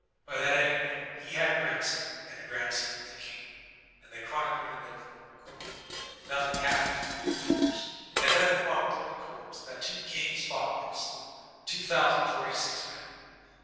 But at any rate, he had a grandson, and the grandson was a king, and the chronicler therefore recorded him. Nothing happened for three years ; and then the chronicle records that two kings fou|^t and slew 2046 men.